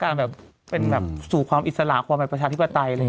แบบเป็นแบบสู่ความอิสระความเป็นประชาธิปไตยอะไรอย่างนี้